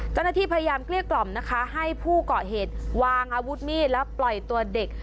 เจ้าหน้าที่พยายามเกลี้ยกล่อมนะคะให้ผู้เกาะเหตุวางอาวุธมีดแล้วปล่อยตัวเด็ก